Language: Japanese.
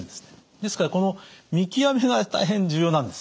ですからこの見極めが大変重要なんです。